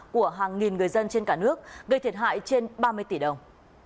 của hàng nghìn người dân trên cả nước gây thiệt hại trên ba mươi tỷ đồng